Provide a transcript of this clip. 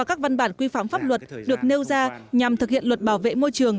các văn bản quy phạm pháp luật được nêu ra nhằm thực hiện luật bảo vệ môi trường